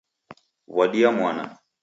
W'adia mwana